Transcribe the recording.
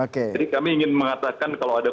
jadi kami ingin mengatakan kalau ada